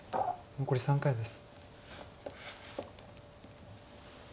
残り３回です。